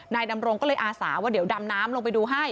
ดำรงก็เลยอาสาว่าเดี๋ยวดำน้ำลงไปดูให้